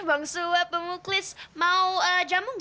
bang suwab pak muklis mau jamu ga